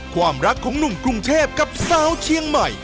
ความรักของหนุ่มกรุงเทพกับสาวเชียงใหม่